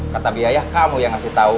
kata biaya kamu yang ngasih tahu